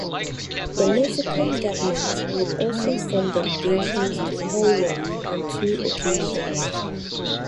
The Mexican government would also send delegations to Holyoke on two occasions.